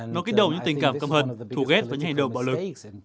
nó kích động những tình cảm cầm hận thù ghét và những hành động bạo lực